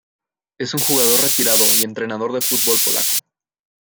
Es un jugador retirado y entrenador de fútbol polaco.